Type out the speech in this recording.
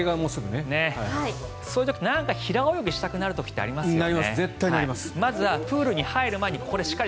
そういう時平泳ぎしたくなる時ありますよね。